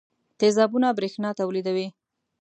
تیزابونه برېښنا تولیدوي.